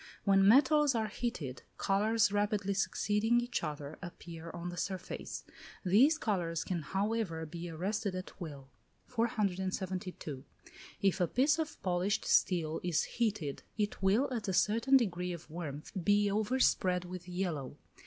When metals are heated, colours rapidly succeeding each other appear on the surface: these colours can, however, be arrested at will. 472. If a piece of polished steel is heated, it will, at a certain degree of warmth, be overspread with yellow.